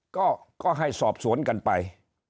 ก็ให้สอบสวนกันไป